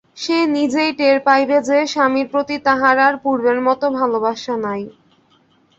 সে নিজেই টের পাইবে যে, স্বামীর প্রতি তাহার আর পূর্বের মত ভালবাসা নাই।